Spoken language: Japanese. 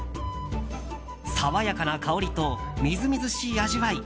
爽やかな香りとみずみずしい味わい